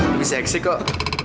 lebih seksi kok